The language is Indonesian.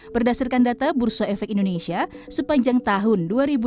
berdasarkan data bursa efek indonesia sepanjang tahun dua ribu dua puluh